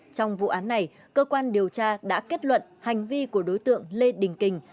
trong vụ án này cơ quan điều tra đã kết luận hành vi của đối tượng lê đình kình